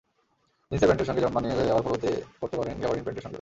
জিনসের প্যান্টের সঙ্গে যেমন মানিয়ে যায়, আবার পরতে পারেন গ্যাবার্ডিন প্যান্টের সঙ্গেও।